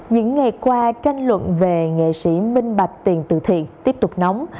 những ngày qua tranh luận về nghệ sĩ minh bạch tiền tự thiện tiếp tục nóng